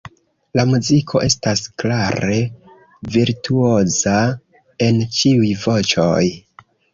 La muziko estas klare ‘virtuoza’ en ĉiuj voĉoj.